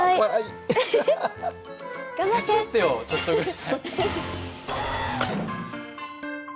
手伝ってよちょっとぐらい。